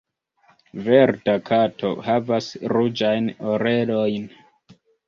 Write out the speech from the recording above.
Verda Kato havas ruĝajn orelojn.